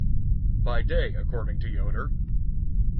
By day, according to Yoder.